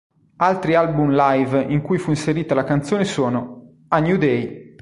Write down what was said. Altri album live in cui fu inserita la canzone sonoː "A New Day...